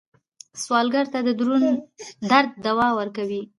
سوالګر ته د درد دوا ورکوئ